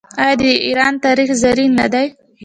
آیا د ایران تاریخ زرین نه دی؟